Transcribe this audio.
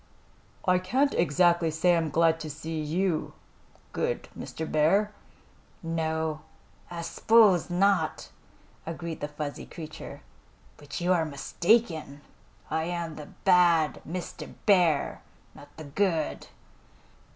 "I can't exactly say I'm glad to see you, good Mr. Bear." "No, I s'pose not," agreed the fuzzy creature. "But you are mistaken. I am the Bad Mr. Bear, not the Good."